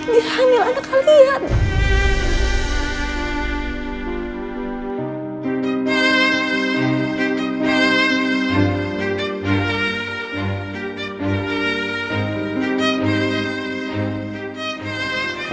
dia hamil anak kalian